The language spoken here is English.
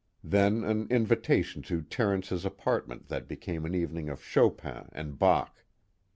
Then an invitation to Terence's apartment that became an evening of Chopin and Bach.